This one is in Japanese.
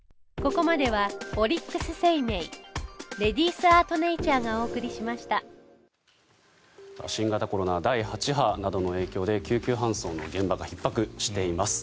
そんな中、急増しているのが新型コロナ第８波などの影響で救急搬送の現場がひっ迫しています。